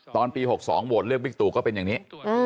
ตอนปี๖๒โหวตเลือกบิ๊กตูก็เป็นอย่างนี้